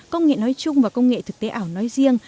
công nghệ nói chung và công nghệ thực tế ảo nói riêng